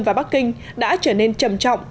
và bắc kinh đã trở nên trầm trọng